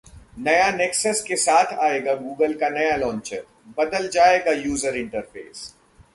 नए Nexus के साथ आएगा गूगल का नया लॉन्चर, बदल जाएगा यूजर इंटरफेस